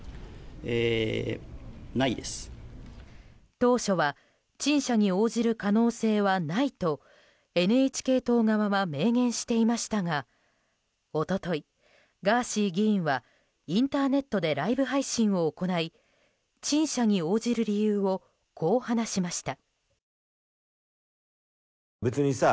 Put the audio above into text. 当初は陳謝に応じる可能性はないとＮＨＫ党側は明言していましたが一昨日、ガーシー議員はインターネットでライブ配信を行い陳謝に応じる理由をこう話しました。